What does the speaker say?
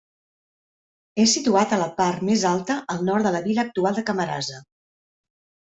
És situat a la part més alta al nord de la vila actual de Camarasa.